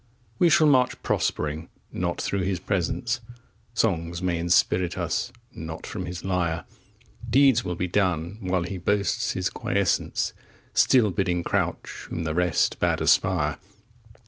We shall march prospering not through his presence; Songs may inspirit us not from his lyre; Deeds will be done while he boasts his quiescence, Still bidding crouch whom the rest bade aspire.